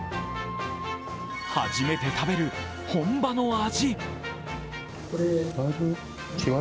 初めて食べる本場の味。